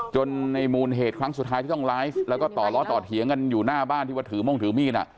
ในมูลเหตุครั้งสุดท้ายที่ต้องไลฟ์แล้วก็ต่อล้อต่อเถียงกันอยู่หน้าบ้านที่ว่าถือม่วงถือมีด